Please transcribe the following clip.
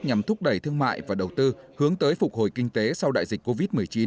nhằm thúc đẩy thương mại và đầu tư hướng tới phục hồi kinh tế sau đại dịch covid một mươi chín